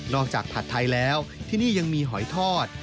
จากผัดไทยแล้วที่นี่ยังมีหอยทอด